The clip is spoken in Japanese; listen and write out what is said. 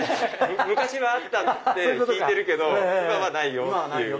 昔はあったって聞いてるけど今はないよ！っていう。